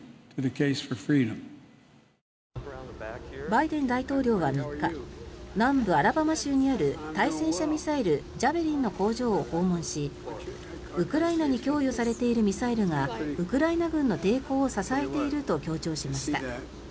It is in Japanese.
バイデン大統領は３日南部アラバマ州にある対戦車ミサイルジャベリンの工場を訪問しウクライナに供与されているミサイルがウクライナ軍の抵抗を支えていると強調しました。